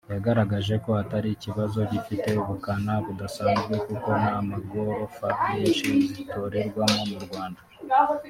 yagaragaje ko atari ikibazo gifite ubukana budasanzwe kuko nta magorofa menshi zitorerwamo mu Rwanda